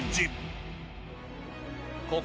ここ